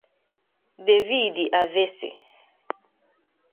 David Avese